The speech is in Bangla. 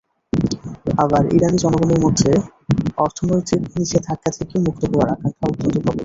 আবার ইরানি জনগণের মধ্যে অর্থনৈতিক নিষেধাজ্ঞা থেকে মুক্ত হওয়ার আকাঙ্ক্ষা অত্যন্ত প্রবল।